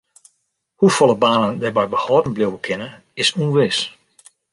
Hoefolle banen dêrby behâlden bliuwe kinne is ûnwis.